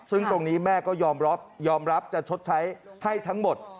ซึ่งตรงนี้แม่ก็ยอมรับยอมรับจะชดใช้ให้ทั้งหมด